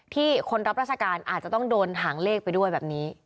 คนรับราชการอาจจะต้องโดนหางเลขไปด้วยแบบนี้